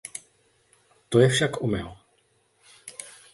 To je však omyl.